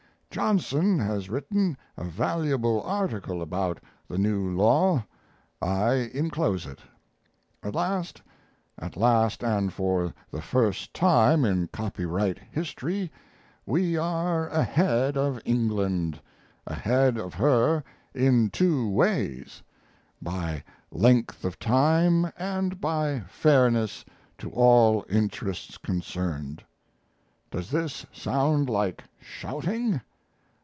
Johnson has written a valuable article about the new law I inclose it. At last at last and for the first time in copyright history we are ahead of England! Ahead of her in two ways: by length of time and by fairness to all interests concerned. Does this sound like shouting?